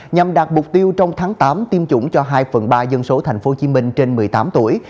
nhằm đạt mục tiêu trong tháng tám tiêm chủng cho hai phần ba dân số tp hcm trên một mươi tám tuổi